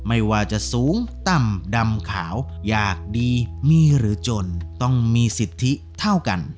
ไม่ว่าจะสูงต่ำดำขาวอยากดีมีหรือจนต้องมีสิทธิเท่ากัน